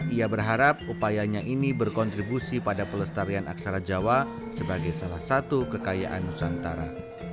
ia berharap upayanya ini berkontribusi pada pelestarian aksara jawa sebagai salah satu kekayaan nusantara